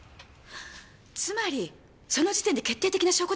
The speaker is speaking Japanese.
つまりその時点で決定的な証拠でもあったんですね？